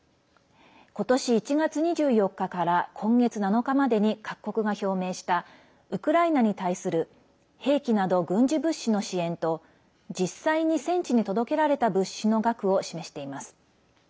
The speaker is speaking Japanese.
ことし１月２４日から今月７日までに各国が表明したウクライナに対する兵器など、軍事物資の支援と実際に戦地に届けられた物資の額を示しています。